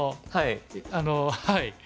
はい。